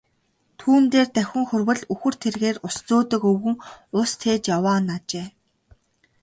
Түүн дээр давхин хүрвэл үхэр тэргээр ус зөөдөг өвгөн ус тээж яваа нь ажээ.